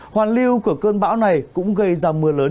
hoàn lưu của cơn bão này cũng gây ra mưa lớn